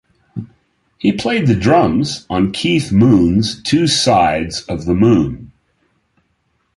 He played the drums on Keith Moon's "Two Sides of the Moon".